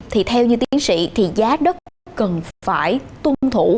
thì theo như tiến sĩ thì giá đất cần phải tuân thủ